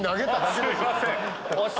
すいません！